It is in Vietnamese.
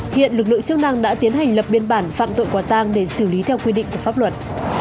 hiện lực lượng chức năng đã tiến hành lập biên bản phạm tội quả tang để xử lý theo quy định của pháp luật